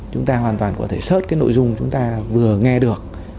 chúng ta hoàn toàn có thể xớt cái nội dung chúng ta vừa nghe được